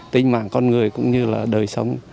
tinh mạng con người cũng như là đời sống